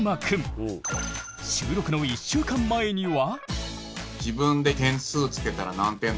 収録の１週間前には。